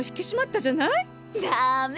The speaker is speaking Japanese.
ダメ！